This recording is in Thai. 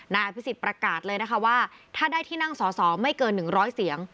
นายอภิษฎประกาศเลยนะคะว่าถ้าได้ที่นั่งสอสอไม่เกิน๑๐๐เสียง